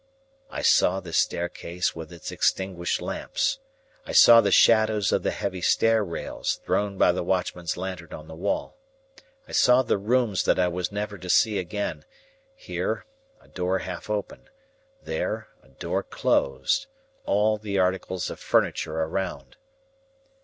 I saw the staircase with its extinguished lamps. I saw the shadows of the heavy stair rails, thrown by the watchman's lantern on the wall. I saw the rooms that I was never to see again; here, a door half open; there, a door closed; all the articles of furniture around.